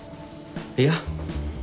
いや。